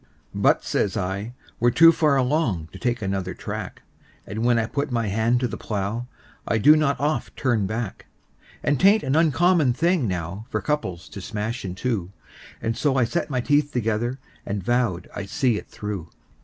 "But," says I, "we're too far along to take another track, And when I put my hand to the plow I do not oft turn back; And 'tain't an uncommon thing now for couples to smash in two;" And so I set my teeth together, and vowed I'd see it through.